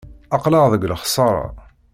Aql-aɣ deg lexsara.